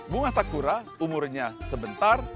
bunga sakura umurnya sebentar